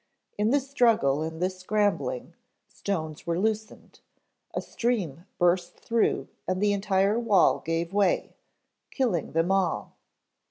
In the struggle and the scrambling, stones were loosened, a stream burst through and the entire wall gave way, killing them all."